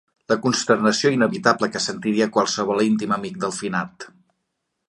La consternació inevitable que sentiria qualsevol íntim amic del finat.